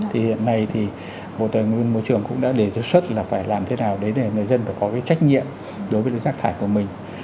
thì hiện nay thì bộ tài nguyên môi trường cũng đã đề xuất là phải làm thế nào đấy để người dân phải có cái trách nhiệm đối với rác thải của mình